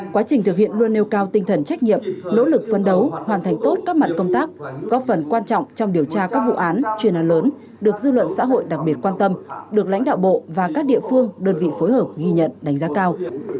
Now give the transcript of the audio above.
quá trình thực hiện luôn nêu cao tinh thần trách nhiệm nỗ lực phấn đấu hoàn thành tốt các mặt công tác góp phần quan trọng trong điều tra các vụ án chuyên án lớn được dư luận xã hội đặc biệt quan tâm được lãnh đạo bộ và các địa phương đơn vị phối hợp ghi nhận đánh giá cao